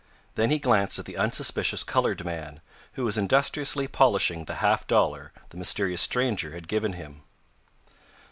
Then he glanced at the unsuspicious colored man, who was industriously polishing the half dollar the mysterious stranger had given him.